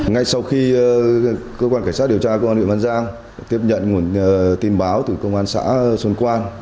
ngay sau khi cơ quan cảnh sát điều tra công an huyện văn giang tiếp nhận nguồn tin báo từ công an xã xuân quan